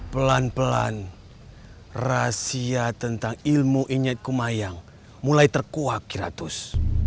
pelan pelan rahasia tentang ilmu ingat kumayang mulai terkuak iratus